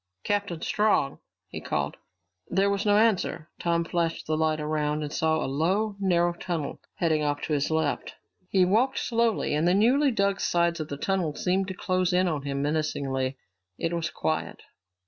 "Captain Strong?" he called. There was no answer. Tom flashed the light around and saw a low, narrow tunnel leading off to his left. He walked slowly, and the newly dug sides of the tunnel seemed to close in on him menacingly. It was quiet.